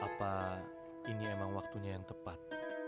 apa ini emang waktunya yang tepat